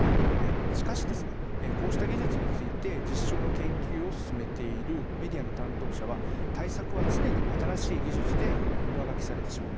しかし、こうした技術について実証の研究を進めているメディアの担当者は対策は常に新しい技術で上書きされてしまう。